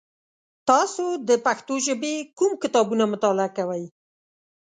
تاسو د پښتو ژبې کوم کتابونه مطالعه کوی؟